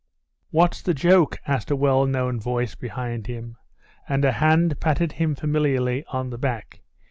'What's the joke?' asked a well known voice behind him; and a hand patted him familiarly on the back.